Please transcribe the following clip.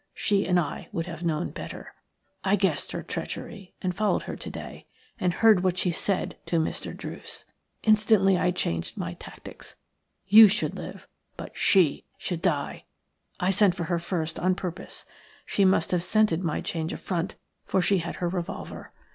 She and I would have known better. I guessed her treachery and followed her to day, and heard what she said to Mr. Druce. Instantly I changed my tactics. You should live, but SHE should die! I sent for her first on purpose. She must have scented my change of front, for she had her revolver.